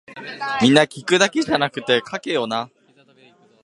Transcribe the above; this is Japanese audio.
皆聞くだけじゃなくて書けよな